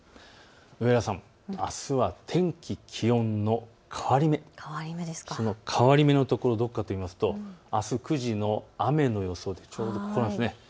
上原さん、あすは天気、気温の変わり目、その変わり目のところどこかといいますと、あす９時の雨の予想、ちょうどここです。